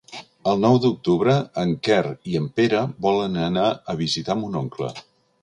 El nou d'octubre en Quer i en Pere volen anar a visitar mon oncle.